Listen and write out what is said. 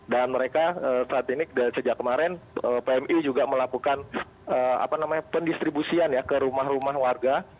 dan mereka saat ini sejak kemarin pmi juga melakukan pendistribusian ke rumah rumah warga